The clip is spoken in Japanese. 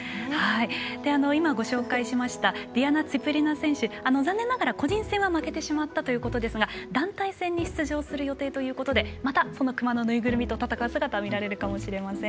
今ご紹介しましたディアナ・ツィプリナ選手残念ながら個人戦は負けてしまったということですが団体戦に出場する予定ということでまたクマのぬいぐるみと戦う姿が見られるかもしれません。